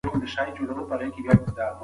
هغه د کار او ژوند توازن ته ارزښت ورکاوه.